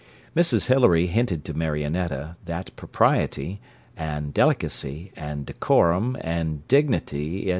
Mrs Hilary hinted to Marionetta, that propriety, and delicacy, and decorum, and dignity, &c.